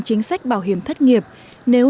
chính sách bảo hiểm thất nghiệp nếu